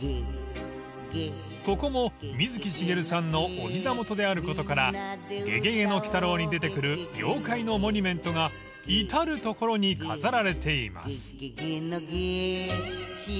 ［ここも水木しげるさんのお膝元であることから『ゲゲゲの鬼太郎』に出てくる妖怪のモニュメントが至る所に飾られています］